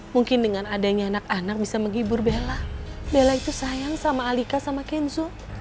mungkin dengan adanya anak anak bisa menghibur bella bela itu sayang sama alika sama kenzo